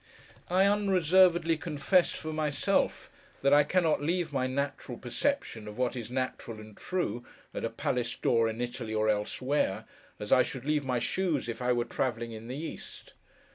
I unreservedly confess, for myself, that I cannot leave my natural perception of what is natural and true, at a palace door, in Italy or elsewhere, as I should leave my shoes if I were travelling in the East.